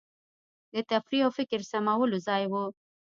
د تفریح او فکر سمولو ځای وو.